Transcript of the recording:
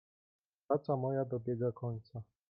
"Praca moja dobiega końca."